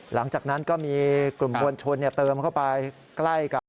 หลังจากนั้นก็มีกลุ่มมวลชนเติมเข้าไปใกล้กับ